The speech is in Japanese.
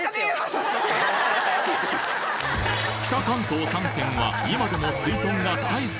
北関東３県は今でもすいとんが大好きなのだが